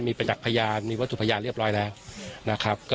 มีประจักษ์พยานมีวัตถุพยานเรียบร้อยแล้วนะครับ